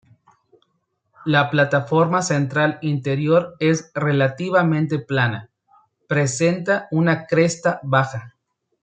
La plataforma central interior es relativamente plana, presenta una cresta baja.